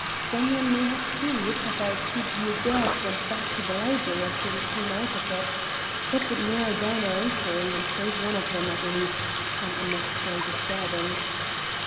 Some one may have seen which of our two dear girls went back to the library after we all came out of it. That would narrow down our inquiry and save one of them, at least, from unnecessary disturbance."